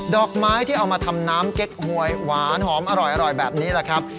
อกไม้ที่เอามาทำน้ำเก๊กหวยหวานหอมอร่อยแบบนี้แหละครับ